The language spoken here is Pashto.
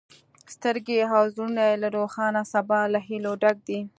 سترګې او زړونه یې له روښانه سبا له هیلو ډک دي.